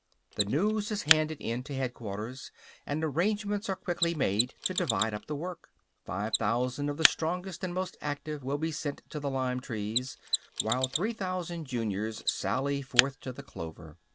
The news is handed in to headquarters, and arrangements are quickly made to divide up the work. Five thousand of the strongest and most active will be sent to the lime trees, while three thousand juniors sally forth to the clover.